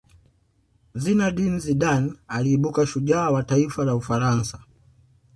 zinedine zidane aliibuka shujaa wa taifa la ufaransa